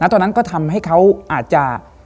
ตอนนั้นก็ทำให้เขาอาจจะ